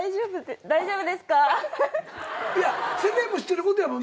世間も知ってることやもんな。